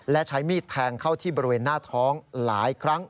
และใช้มีดแทงเข้าที่บริเวณหน้าท้องหลายครั้ง